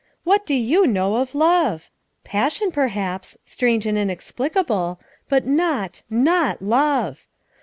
'' What do you know of love? Passion, perhaps, strange and inex plicable, but not, not love.